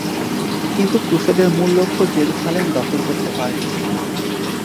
কিন্তু ক্রুসেডের মূল লক্ষ্য জেরুসালেম দখল করতে পারেনি।